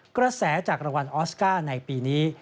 กระแสจากรางวัลออสการ์ในปีนี้